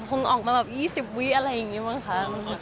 คงออกมาแบบ๒๐วิอะไรอย่างนี้มั้งคะ